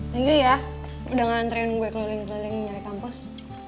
thank you ya udah nganterin gua keliling keliling nyari kampus